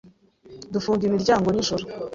Dufunga imiryango nijoro.